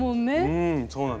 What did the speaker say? うんそうなんです。